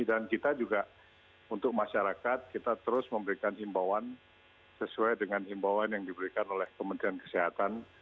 dan kita juga untuk masyarakat kita terus memberikan himbauan sesuai dengan himbauan yang diberikan oleh kementerian kesehatan